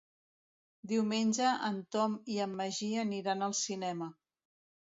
Diumenge en Tom i en Magí aniran al cinema.